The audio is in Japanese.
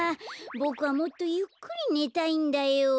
ボクはもっとゆっくりねたいんだよ。